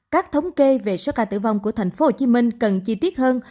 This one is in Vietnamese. các thống kê về số ca tử vong của tp hcm cần chi tiết hơn